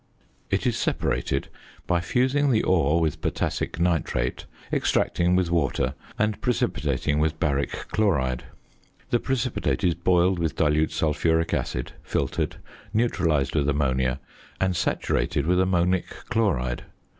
It is separated by fusing the ore with potassic nitrate, extracting with water and precipitating with baric chloride. The precipitate is boiled with dilute sulphuric acid, filtered, neutralised with ammonia, and saturated with ammonic chloride.